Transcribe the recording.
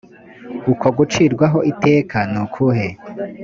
uko gucirwaho iteka ni ukue